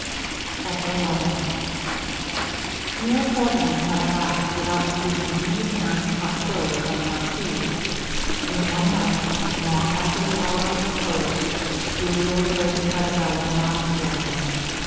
CHAPTER XI Near a fortnight had elapsed without producing any appearance of hostility from the marquis, when one night, long after the hour of repose, Julia was awakened by the bell of the monastery.